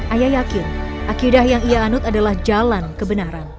ayah yakin akidah yang ia anut adalah jalan kebenaran